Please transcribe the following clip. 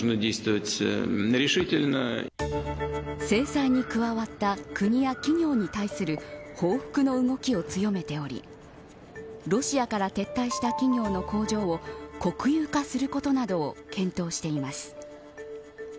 制裁に加わった国や企業に対する報復の動きを強めておりロシアから撤退した企業の工場を国有化することなどを検討しています。